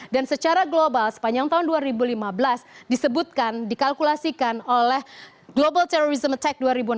dan secara global sepanjang tahun dua ribu lima belas disebutkan dikalkulasikan oleh global terrorism attack dua ribu enam belas